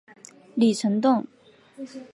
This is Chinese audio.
李成栋。